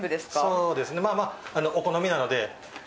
そうですね、まあまあお好みなので。